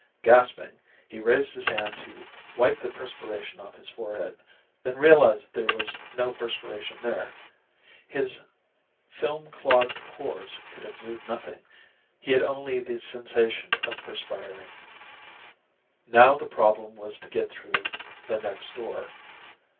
Gasping, he raised his hand to wipe the perspiration off his forehead, then realized there was no perspiration there. His film clogged pores could exude nothing; he had only the sensation of perspiring. Now the problem was to get through the next door.